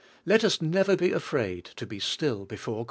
Let us never be afraid to be still before WAITLYG O.